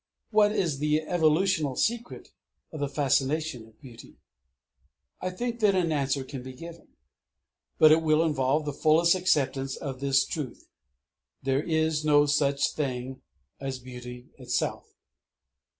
What is the evolutional secret of the fascination of beauty? I think that an answer can be given. But it will involve the fullest acceptance of this truth: _There is no such thing as beauty in itself.